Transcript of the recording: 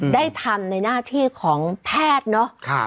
ได้ทำในหน้าที่ของแพทย์เนอะ